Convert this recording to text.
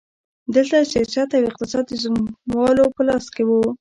دلته سیاست او اقتصاد د ځمکوالو په لاس کې وو.